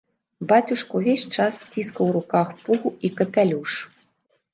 Бацюшка ўвесь час ціскаў у руках пугу і капялюш.